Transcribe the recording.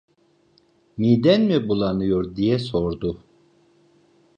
"Miden mi bulanıyor?" diye sordu.